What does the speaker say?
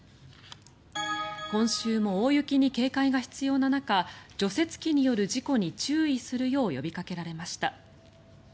今週も大雪に警戒が必要な中除雪機による事故に注意するよう呼びかけられました。